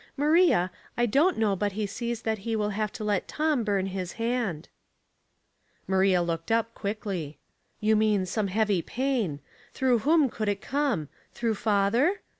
Maria, I don't know but he sees that he will have to let Tom burn his hand." Tlieology in the Kitchen, 313 Maria looked up quickly. " You mean some heavy paiu. Through whom could it come ? through father